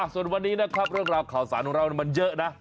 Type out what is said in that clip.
ส่วนวันนี้นะครับเรื่องราวข่าวสารของเรามันเยอะนะ